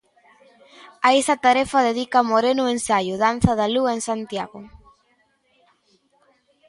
A esa tarefa dedica Moreno o ensaio 'Danza da lúa en Santiago'.